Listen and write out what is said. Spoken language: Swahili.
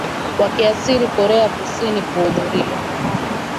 wakiasiri korea kusini kuhudhuria